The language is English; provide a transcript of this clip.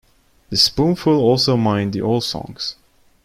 The Spoonful also mined the old songs.